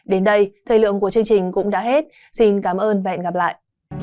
đến đây thời lượng của chương trình cũng đã hết xin cảm ơn và hẹn gặp lại